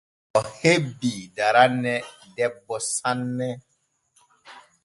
O hebbii daranne debbo sanne.